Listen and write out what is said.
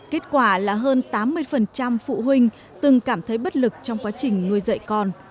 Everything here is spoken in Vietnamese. kết quả là hơn tám mươi phụ huynh từng cảm thấy bất lực trong quá trình nuôi dạy con